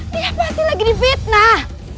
dia pasti lagi di fitnah